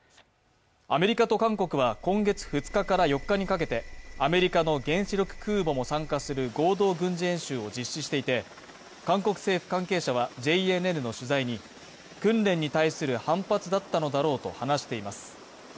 アメリカと韓国は今月２日から４日にかけてアメリカの原子力空母も参加する合同軍事演習を実施していて、韓国政府関係者は、ＪＮＮの取材に、訓練に対する反発だったのだろうと話しています。